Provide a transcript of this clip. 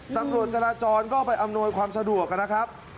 ตำรวจจราจรก็ไปอำนวยความสะดวกนะครับ